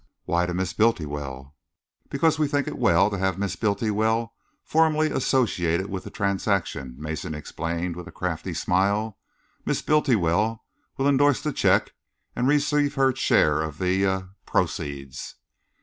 "Why to Miss Bultiwell?" "Because we think it well to have Miss Bultiwell formally associated with the transaction," Mason explained, with a crafty smile. "Miss Bultiwell will endorse the cheque and receive her share of the er proceeds."